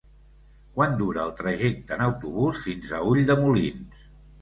Quant dura el trajecte en autobús fins a Ulldemolins?